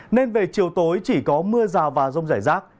nên về chiều tối chỉ có mưa rào và rông rải rác